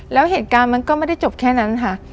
แล้วเหตุการณ์มันก็ไม่ได้จบแค่นั้นค่ะ